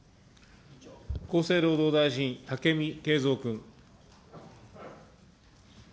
厚生労働大臣、武見敬三君。